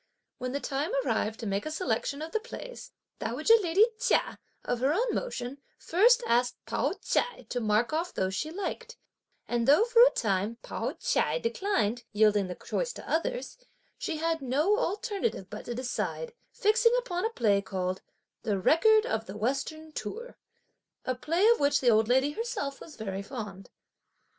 When the time arrived to make a selection of the plays, dowager lady Chia of her own motion first asked Pao ch'ai to mark off those she liked; and though for a time Pao ch'ai declined, yielding the choice to others, she had no alternative but to decide, fixing upon a play called, "the Record of the Western Tour," a play of which the old lady was herself very fond.